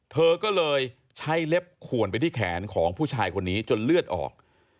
เธอก็เลยใช้เล็บขวนไปที่แขนของผู้ชายคนนี้จนเลือดออก